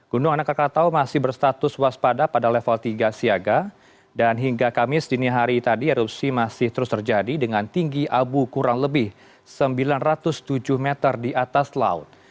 gunung anak rakatau masih berstatus waspada pada level tiga siaga dan hingga kamis dini hari tadi erupsi masih terus terjadi dengan tinggi abu kurang lebih sembilan ratus tujuh meter di atas laut